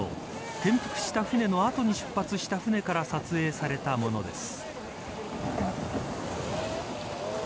転覆した船の後に出発した舟から撮影されたものです。